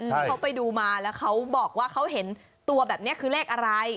ที่เขาไปดูมาแล้วเขาบอกว่าเขาเห็นตัวแบบนี้คือเลขอะไร